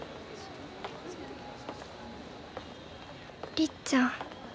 りっちゃん